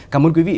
cảm ơn quý vị